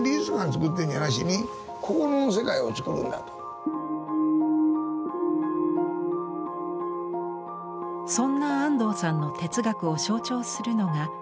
そんな安藤さんの哲学を象徴するのが光。